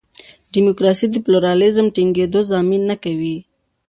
ډیموکراسي د پلورالېزم د ټینګېدو ضامن نه کوي.